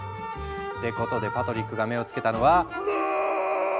ってことでパトリックが目を付けたのは。